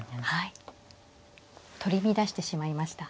取り乱してしまいました。